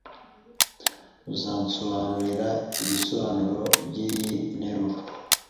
Uzansobanurira ibisobanuro byiyi nteruro?